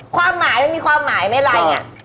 ความหมายมันมีความหมายไหมลายอย่างนี้